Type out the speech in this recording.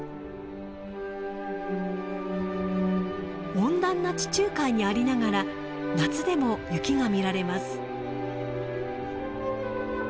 温暖な地中海にありながら夏でも雪が見られます。